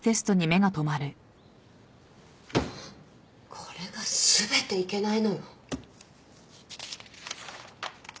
これが全ていけないのよ。